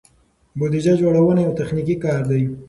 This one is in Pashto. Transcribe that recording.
بودیجه جوړونه یو تخنیکي کار دی.